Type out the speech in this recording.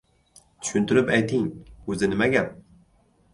— Tushuntirib ayting, o‘zi nima gap?